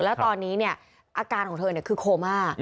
แล้วตอนนี้อาการของเธอคือโคม่า